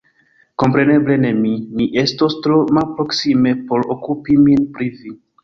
Kompreneble ne mi ; mi estos tro malproksime por okupi min pri vi.